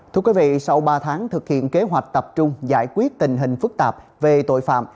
thưa quý vị sau ba tháng thực hiện kế hoạch tập trung giải quyết tình hình phức tạp về tội phạm